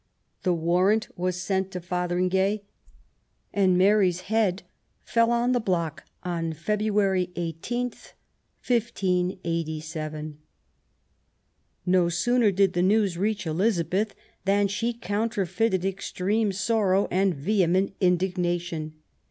The warrant was sent to Fotheringay, and Mary's head fell on the block on February i8, 1587. No sooner did the news reach Elizabeth than she counterfeited extreme sorrow, and vehement indig nation.